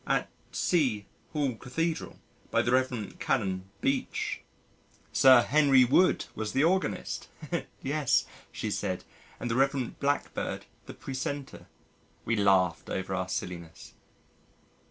"At C Hall Cathedral, by the Rev. Canon Beech...." "Sir Henry Wood was the organist." "Yes," she said, "and the Rev. Blackbird the precentor." We laughed over our silliness!